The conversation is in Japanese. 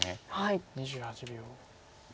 ２８秒。